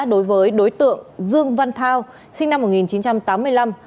đối với đối tượng dương văn thao sinh năm một nghìn chín trăm tám mươi năm